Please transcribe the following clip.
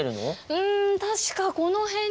うん確かこの辺に。